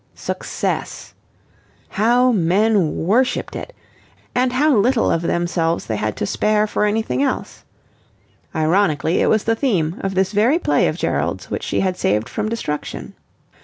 Success! How men worshipped it, and how little of themselves they had to spare for anything else. Ironically, it was the theme of this very play of Gerald's which she had saved from destruction.